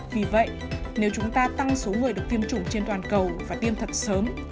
vì vậy nếu chúng ta tăng số người được tiêm chủng trên toàn cầu và tiêm thật sớm